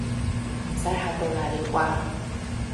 唔使嚇到瀨尿啩